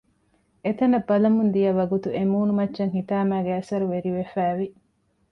އެތަނަށް ބަލަމުން ދިޔަ ވަގުތު އެ މުނޫމައްޗަށް ހިތާމައިގެ އަސަރު ވެރިވެފައިވި